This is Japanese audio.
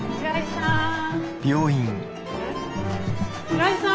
平井さん。